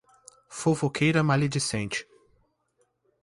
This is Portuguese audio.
Fofoqueira maledicente